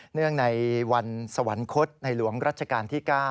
เนื่องในวันสวรรคตในหลวงรัชกาลที่๙